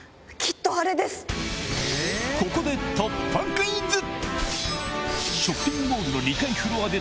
ここで突破クイズ！